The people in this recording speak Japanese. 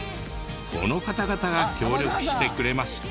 この方々が協力してくれました。